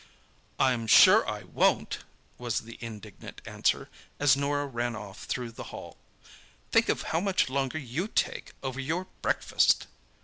"I'm sure I won't," was the indignant answer, as Norah ran off through the hail. "Think of how much longer you take over your breakfast!"